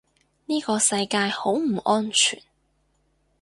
呢個世界好唔安全